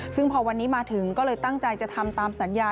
ซึ่งพอวันนี้มาถึงก็เลยตั้งใจจะทำตามสัญญา